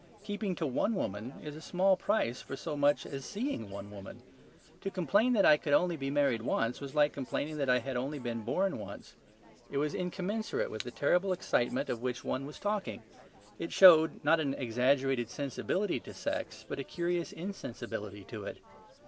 Keeping to one woman is a small price for so much as seeing one woman. To complain that I could only be married once was like complaining that I had only been born once. It was incommensurate with the terrible excitement of which one was talking. It showed, not an exaggerated sensibility to sex, but a curious insensibility to it.